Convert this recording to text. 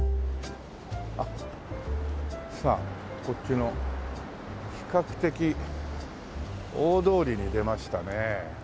さあこっちの比較的大通りに出ましたね。